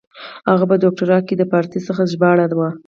هغه په دوکتورا کښي د پاړسي څخه ژباړه وه.